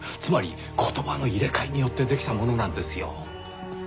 つまり言葉の入れ替えによってできたものなんですよ。